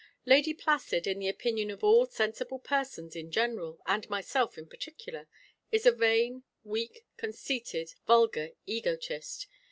Lady Placid, in the opinion of all sensible persons in general, and myself in particular, is a vain, weak, conceited, vulgar egotist.